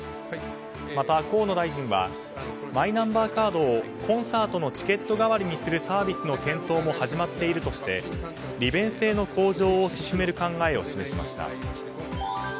また、河野大臣はマイナンバーカードをコンサートのチケット代わりにするサービスの検討も始まっているとして利便性の向上を進める考えを示しました。